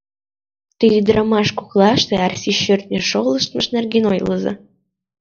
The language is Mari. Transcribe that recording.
Те ӱдырамаш коклаште Арсий шӧртньӧ шолыштмыж нерген ойлыза.